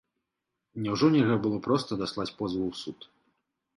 Няўжо нельга было проста даслаць позву ў суд?